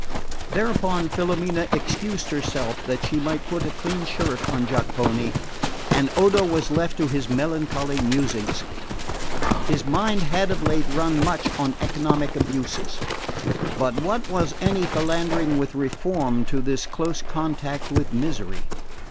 Thereupon Filomena excused herself, that she might put a clean shirt on Jacopone, and Odo was left to his melancholy musings. His mind had of late run much on economic abuses; but what was any philandering with reform to this close contact with misery?